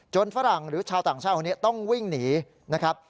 ฝรั่งหรือชาวต่างชาติคนนี้ต้องวิ่งหนีนะครับ